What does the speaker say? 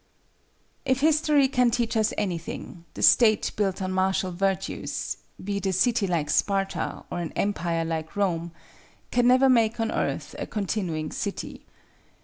If history can teach us anything, the state built on martial virtues—be it a city like Sparta or an Empire like Rome—can never make on earth a "continuing city."